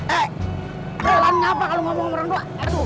eh perlahan lahan apa kamu ngomong sama orang gua